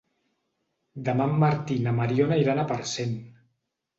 Demà en Martí i na Mariona iran a Parcent.